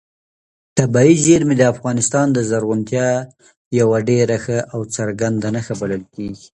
طبیعي زیرمې د افغانستان د زرغونتیا یوه ډېره ښه او څرګنده نښه بلل کېږي.